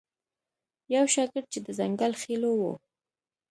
یو شاګرد چې د ځنګل خیلو و.